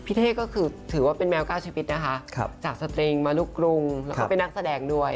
เท่ก็คือถือว่าเป็นแมวก้าวชีวิตนะคะจากสตริงมาลูกกรุงแล้วก็เป็นนักแสดงด้วย